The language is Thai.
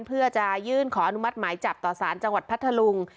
เพื่อจะยื่นขออนุมัติหมายจับต่อสารจังหวัดพัทธลุง